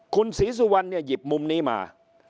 คุณศรีสุวรรณเนี่ยหยิบมุมนี้มา